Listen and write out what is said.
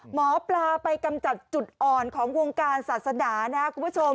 หมอปลาไปกำจัดจุดอ่อนของวงการศาสนานะครับคุณผู้ชม